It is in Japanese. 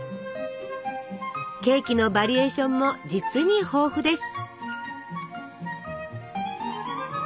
ケーキのバリエーションも実に豊富です！